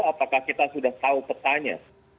apakah kita sudah tahu petanya